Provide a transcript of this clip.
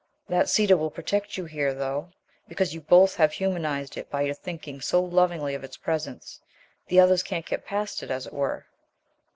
"That cedar will protect you here, though, because you both have humanized it by your thinking so lovingly of its presence. The others can't get past it, as it were."